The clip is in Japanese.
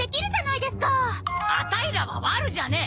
アタイらは悪じゃねえ。